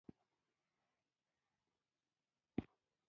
د اصحاب کهف په دې واقعه کې دا درس دی.